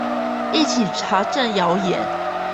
一起查證謠言